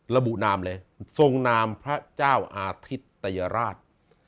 นามเลยทรงนามพระเจ้าอาทิตยราช